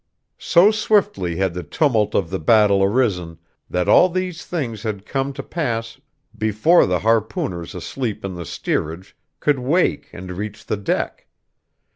So swiftly had the tumult of the battle arisen that all these things had come to pass before the harpooners asleep in the steerage could wake and reach the deck.